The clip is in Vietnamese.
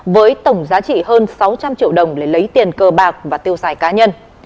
với tổng giá trị hơn sáu trăm linh triệu đồng để lấy tiền cờ bạc và tiêu xài cá nhân